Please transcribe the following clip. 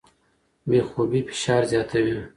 بې خوبۍ فشار زیاتوي.